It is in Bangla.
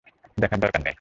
দেখার দরকার নেই।